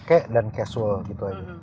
enak dipakai dan casual gitu aja